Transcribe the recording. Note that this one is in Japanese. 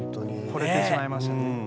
ほれてしまいましたね。